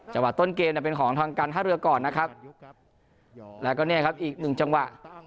ต้นเกมเนี่ยเป็นของทางการท่าเรือก่อนนะครับแล้วก็เนี่ยครับอีกหนึ่งจังหวะ